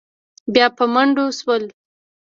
بيا په منډو شول.